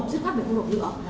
rứt mắt mình không nộp nữa